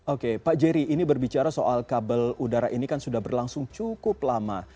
oke pak jerry ini berbicara soal kabel udara ini kan sudah berlangsung cukup lama